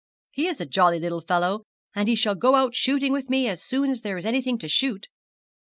'He is a jolly little fellow, and he shall go out shooting with me as soon as there is anything to shoot.'